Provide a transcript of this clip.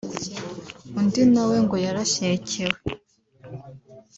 Undi nawe ngo yarashyekewe